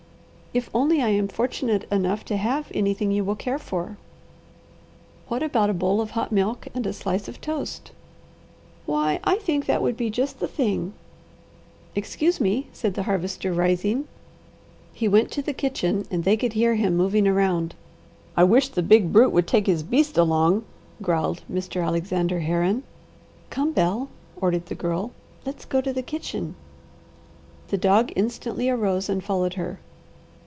"If only I am fortunate enough to have anything you will care for. What about a bowl of hot milk and a slice of toast?" "Why I think that would be just the thing!" "Excuse me," said the Harvester rising. He went to the kitchen and they could hear him moving around. "I wish the big brute would take his beast along," growled Mr. Alexander Herron. "Come, Bel," ordered the Girl. "Let's go to the kitchen." The dog instantly arose and followed her.